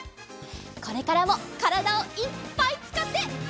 これからもからだをいっぱいつかって。